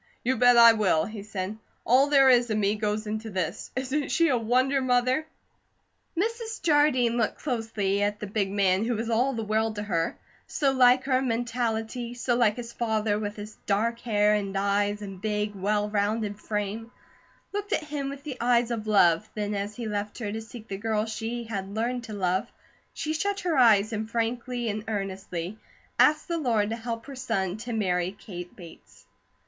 "You bet I will!" he said. "All there is of me goes into this. Isn't she a wonder, Mother?" Mrs. Jardine looked closely at the big man who was all the world to her, so like her in mentality, so like his father with his dark hair and eyes and big, well rounded frame; looked at him with the eyes of love, then as he left her to seek the girl she had learned to love, she shut her eyes and frankly and earnestly asked the Lord to help her son to marry Kate Bates.